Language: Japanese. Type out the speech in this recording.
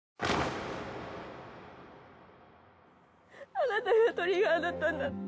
あなたがトリガーだったんだね。